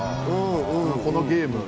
このゲーム。